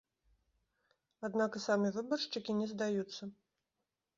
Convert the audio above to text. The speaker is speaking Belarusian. Аднак і самі выбаршчыкі не здаюцца.